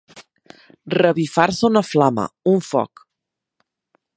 Revifar-se una flama, un foc.